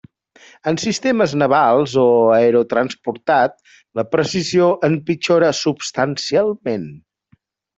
En sistemes navals o aerotransportat la precisió empitjora substancialment.